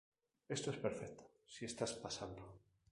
Esto es perfecto si estás pasando.